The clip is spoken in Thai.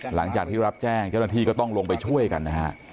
หลังจากที่รับแจ้งเจ้าหน้าที่ก็ต้องลงไปช่วยกันนะฮะ